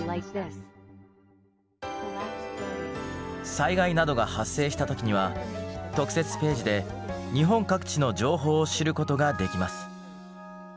災害などが発生した時には特設ページで日本各地の情報を知ることができます。